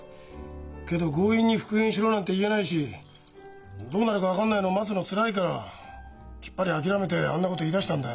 けど強引に「復縁しろ」なんて言えないしどうなるか分かんないのを待つのつらいからきっぱり諦めてあんなこと言いだしたんだよ。